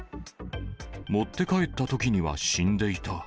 持って帰ったときには死んでいた。